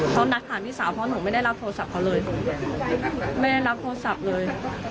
เขานัดแสบพี่สาวพร้อมกลยการหลับโทรศัพท์พอหนูไม่ได้รับโทรศัพท์เลย